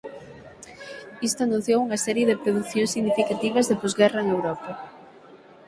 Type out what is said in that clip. Isto anunciou unha serie de producións significativas de posguerra en Europa.